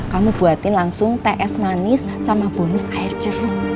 kamu buatin langsung teh es manis sama bonus air jeruk